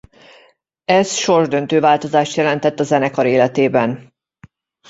Ez sorsdöntő változást jelentett a zenekar életében.